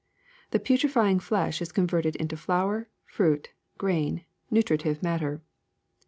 The putrefy ing flesh is converted into flower, fruit, grain, nutri tive matter.